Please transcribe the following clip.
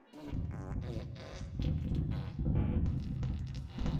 yameingia kutoka Kiarabu Kwa ujumla Kiswahili kina